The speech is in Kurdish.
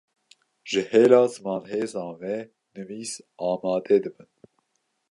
ji hêla zimanhezan ve nivîs amade dibin